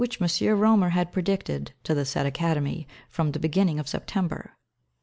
Romer had predicted to the said Academy from the beginning of September.